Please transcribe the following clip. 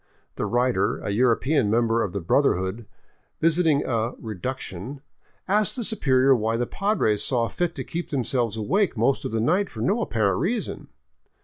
The writer, a European member of the brother hood, visiting a " reduction," asked the superior why the Padres saw fit to keep themselves awake most of the night for no apparent reason.